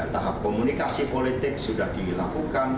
tahap komunikasi politik sudah dilakukan